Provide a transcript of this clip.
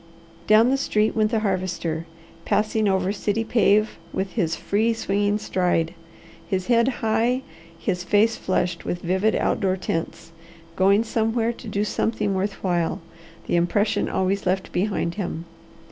Down the street went the Harvester, passing over city pave with his free, swinging stride, his head high, his face flushed with vivid outdoor tints, going somewhere to do something worth while, the impression always left behind him.